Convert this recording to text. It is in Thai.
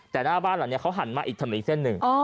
แต่หน้าบ้านหลังนี้เขาหันมาอีกถนนอีกเส้นหนึ่ง